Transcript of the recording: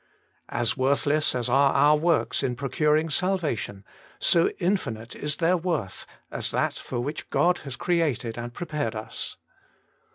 As worthless as are our works in procuring salvation, so infinite is their worth as that for which God has created and prepared us.